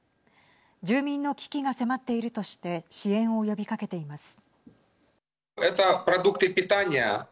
住民の危機が迫っているとして支援を呼びかけています。